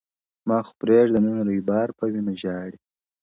ما خو پرېږده نن رویبار په وینو ژاړي،